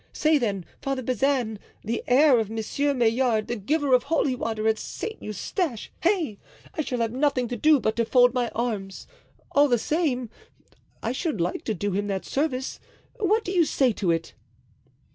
Say, then, Father Bazin—the heir of Monsieur Maillard, the giver of holy water at Saint Eustache! Hey! I shall have nothing to do but to fold my arms! All the same, I should like to do him that service—what do you say to it?"